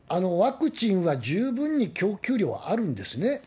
ワクチンは十分に供給量はあるんですね。